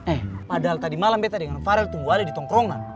eh padahal tadi malam beda dengan farel tunggu ali di tongkrongan